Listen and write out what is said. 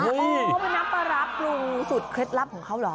โอ้วน้ำปลาร้าปรุงสุดเคล็ดลับของเขาหรอ